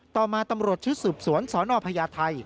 ต่อมาตำรวจชุดสืบสวนสนพญาไทย